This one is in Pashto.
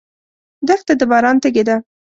دښته د باران تږې ده.